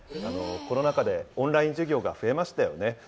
コロナ禍でオンライン授業が増えましたよね。